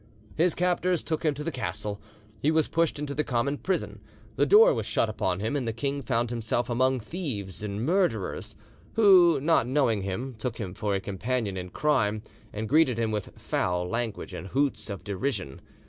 His captors took him to the castle: he was pushed into the common prison, the door was shut upon him, and the king found himself among thieves and murderers, who, not knowing him, took him for a companion in crime, and greeted him with foul language and hoots of derision.